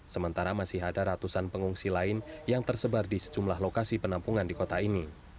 sementara masih ada ratusan pengungsi lain yang tersebar di sejumlah lokasi penampungan di kota ini